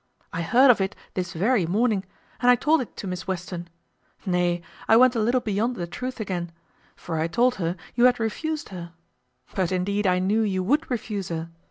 I heard of it this very morning, and I told it to Miss Western; nay, I went a little beyond the truth again; for I told her you had refused her; but indeed I knew you would refuse her.